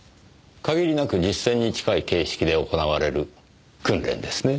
限りなく実戦に近い形式で行われる訓練ですね。